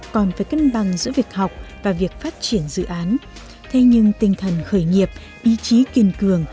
còn phải cân bằng giữa việc học và việc phát triển dự án thế nhưng tinh thần khởi nghiệp ý chí kiên cường